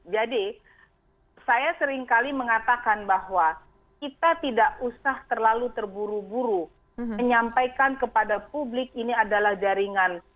jadi saya seringkali mengatakan bahwa kita tidak usah terlalu terburu buru menyampaikan kepada publik ini adalah jaringan